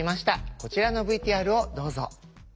こちらのＶＴＲをどうぞ。